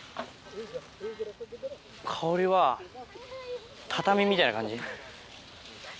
香りは畳みたいな感じ。